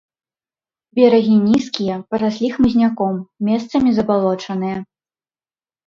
Берагі нізкія, параслі хмызняком, месцамі забалочаныя.